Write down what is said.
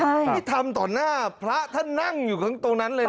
นี่ทำต่อหน้าพระท่านนั่งอยู่ตรงนั้นเลยนะ